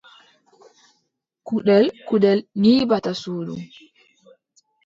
Kuɗel kuɗel nyiɓata suudu.